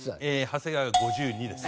長谷川が５２です。